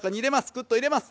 ぐっと入れます。